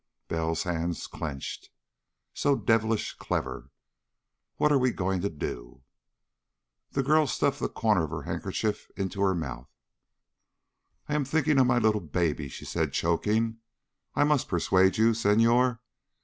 Bell's hands clenched. "So devilish clever.... What are we going to do?" The girl stuffed the corner of her handkerchief into her mouth. "I am thinking of my little baby," she said, choking. "I must persuade you, Senhor.